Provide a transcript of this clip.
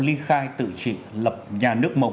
ly khai tự chỉ lập nhà nước mông